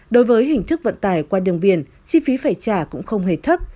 đối với hình thức vận tải qua đường biển chi phí phải trả cũng không hề thấp